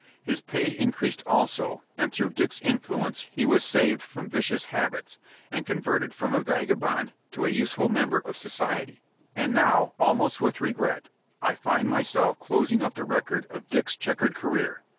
His pay increased also, and through Dick's influence he was saved from vicious habits, and converted from a vagabond to a useful member of society. And now, almost with regret, I find myself closing up the record of Dick's chequered career.